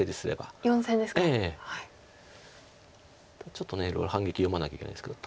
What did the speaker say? ちょっといろいろ反撃読まなきゃいけないですけど。